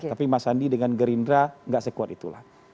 tapi mas andi dengan gerindra enggak sekuat itulah